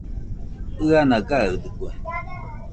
ɨana gaɨdɨkue